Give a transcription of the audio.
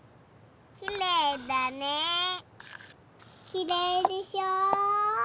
きれいでしょ？